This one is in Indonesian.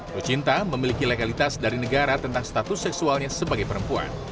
lucinta memiliki legalitas dari negara tentang status seksualnya sebagai perempuan